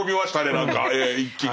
何か一気に。